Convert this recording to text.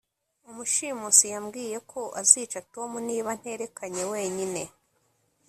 Umushimusi yambwiye ko azica Tom niba nterekanye wenyine